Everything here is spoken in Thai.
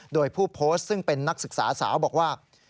โดยผู้โพสต์ซึ่งเป็นนักศึกษาสาวบอกว่า